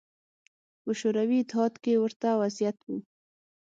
په شوروي اتحاد کې ورته وضعیت و